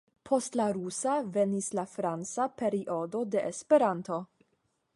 Post la Rusa venis la Franca periodo de Esperanto.